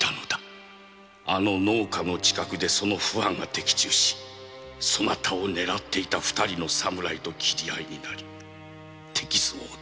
「あの農家の近くでその不安が的中しそなたを狙っていた二人の侍と切り合い手傷を負った」